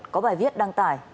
có bài viết đăng tải